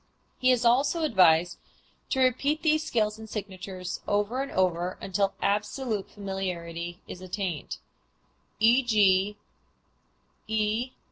He is also advised to repeat these scales and signatures over and over until absolute familiarity is attained. _E.